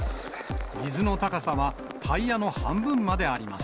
水の高さはタイヤの半分まであります。